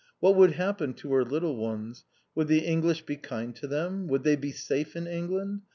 What would happen to her little ones? Would the English be kind to them? Would they be safe in England?